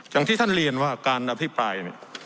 อย่างที่ท่านเรียนว่าการอภิปรายเนี่ย